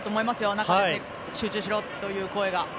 中に集中しろという声が。